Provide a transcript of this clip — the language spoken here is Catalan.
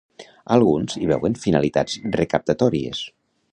Alguns hi veuen finalitats recaptatòries.